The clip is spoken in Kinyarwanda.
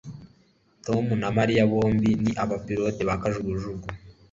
Tom na Mariya bombi ni abapilote ba kajugujugu